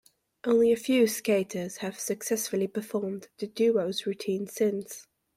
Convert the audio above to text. Only a few skaters have successfully performed the duo's routines since.